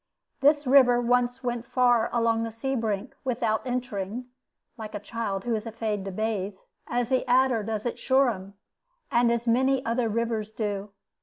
This river once went far along the sea brink, without entering (like a child who is afraid to bathe), as the Adur does at Shoreham, and as many other rivers do.